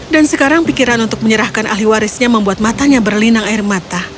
dan sekarang pikiran untuk menyerahkan ahli warisnya membuat matanya berlinang air mata